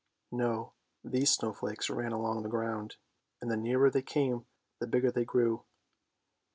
No; these snow flakes ran along the ground, and the nearer they came the bigger they grew.